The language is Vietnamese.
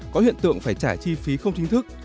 có hiện tượng phải trả chi phí không chính thức